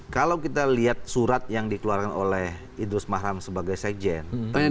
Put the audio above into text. kalau kita lihat surat yang dikeluarkan oleh idrus marham sebagai sekjen